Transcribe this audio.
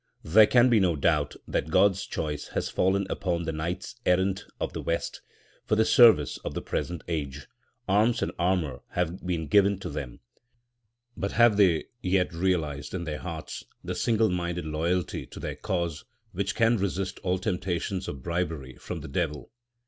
There can be no doubt that God's choice has fallen upon the knights errant of the West for the service of the present age; arms and armour have been given to them; but have they yet realised in their hearts the single minded loyalty to their cause which can resist all temptations of bribery from the devil?